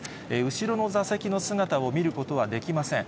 後ろの座席の姿を見ることはできません。